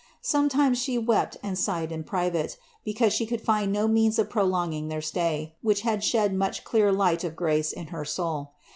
Sometimes She wept and sighed in private, because she could find no means of prolonging their stay, which had shed much clear light of grace in her soul.